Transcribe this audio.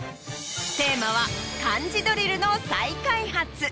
テーマは「漢字ドリルの再開発」。